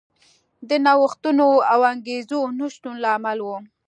د نوښتونو او انګېزو نشتون له امله و.